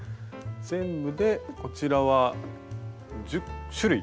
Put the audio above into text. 全部でこちらは１０種類